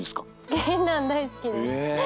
銀杏大好きです。